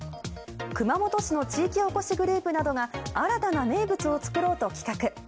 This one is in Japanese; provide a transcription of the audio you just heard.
熊本市の地域おこしグループなどが新たな名物を作ろうと企画。